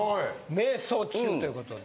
瞑想中ということで。